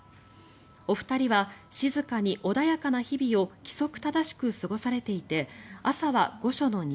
お二人は静かに穏やかな日々を規則正しく過ごされていて朝は御所の庭